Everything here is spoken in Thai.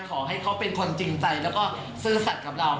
ขอให้เขาเป็นคนจริงใจแล้วก็ซื่อสัตว์กับเรา